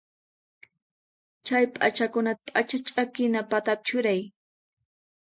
Chay p'achakunata p'acha ch'akina patapi churay.